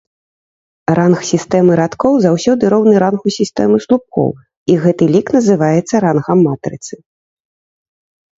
Ранг сістэмы радкоў заўсёды роўны рангу сістэмы слупкоў, і гэты лік называецца рангам матрыцы.